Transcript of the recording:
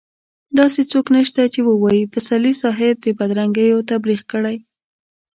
داسې څوک نشته چې ووايي پسرلي صاحب د بدرنګيو تبليغ کړی.